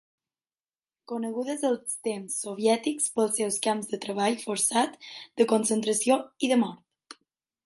Conegudes als temps soviètics pels seus camps de treball forçat, de concentració i de mort.